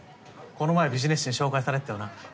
この前ビジネス誌に紹介されてたよな？